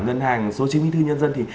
ngân hàng số chứng minh thư nhân dân thì